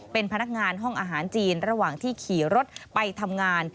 เป็นพนักงานห้องอาหารจีนระหว่างที่ขี่รถไปทำงาน